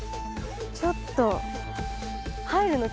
ちょっと。